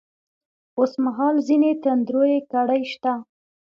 اوس مـهال ځــينې تـنـدروې کـړۍ شـتـه.